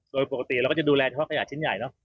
เราก็ปกติเราก็จะดูแลพวกขยะชิ้นใหญ่เนอะ